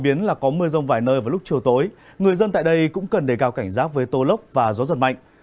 biến là có mưa rông vài nơi vào lúc chiều tối người dân tại đây cũng cần đề cao cảnh giác với tô lốc và gió giật mạnh